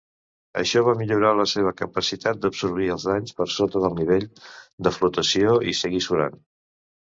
Això va millorar la seva capacitat d'absorbir els danys per sota del nivell de flotació i seguir surant.